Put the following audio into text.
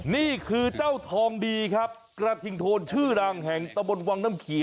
นี่คือเจ้าทองดีครับกระทิงโทนชื่อดังแห่งตะบนวังน้ำเขียว